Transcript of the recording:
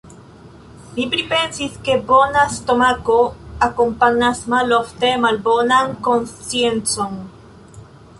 Mi pripensis, ke bona stomako akompanas malofte malbonan konsciencon.